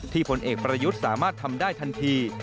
ผลเอกประยุทธ์สามารถทำได้ทันที